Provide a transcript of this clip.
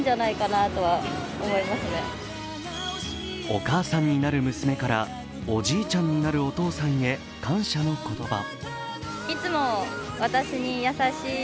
お母さんになる娘からおじいちゃんになるお父さんへ感謝の言葉。